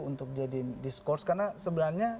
untuk jadiin diskursi karena sebenarnya